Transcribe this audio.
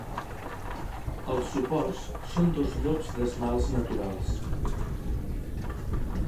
Els suports són dos llops d'esmalts naturals.